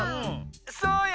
そうよ。